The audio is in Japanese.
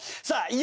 さあ